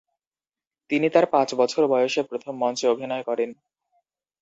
তিনি তার পাঁচ বছর বয়সে প্রথম মঞ্চে অভিনয় করেন।